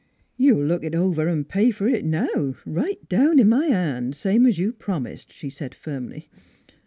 " You'll look it over an' pay fer it now, right down in my hand, same's you promised," she said firmly.